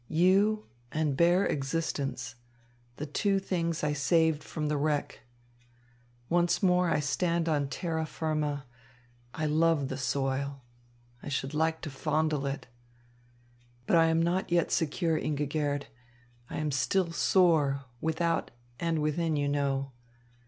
You and bare existence the two things I saved from the wreck. Once more I stand on terra firma. I love the soil. I should like to fondle it. But I am not yet secure, Ingigerd. I am still sore, without and within, you know.